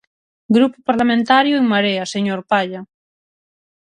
Grupo Parlamentario En Marea, señor Palla.